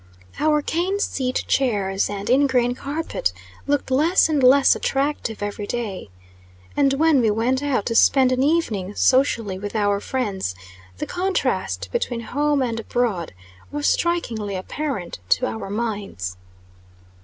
Our cane seat chairs and ingrain carpet looked less and less attractive every day. And, when we went out to spend an evening, socially, with our friends, the contrast between home and abroad was strikingly apparent to our minds.